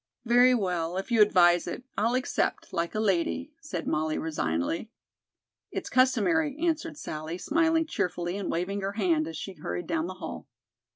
"Very well, if you advise it, I'll accept, like a lady," said Molly resignedly. "It's customary," answered Sallie, smiling cheerfully and waving her hand as she hurried down the hall.